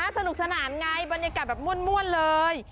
สนุกสนานไงบรรยากาศแบบม่วนเลย